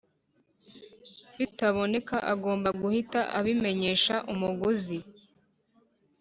Bitaboneka agomba guhita abimenyesha umuguzi